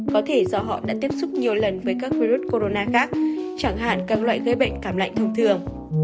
có thể do họ đã tiếp xúc nhiều lần với các virus corona khác chẳng hạn các loại gây bệnh cảm lạnh thông thường